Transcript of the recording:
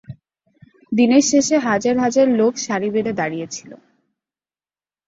দিনের শেষে হাজার হাজার লোক সারি বেঁধে দাঁড়িয়েছিল।